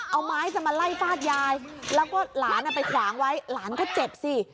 เอาไม้จะมาไล่ฟาดยายแล้วก็หลานไปขวางไว้หลานก็เจ็บสิ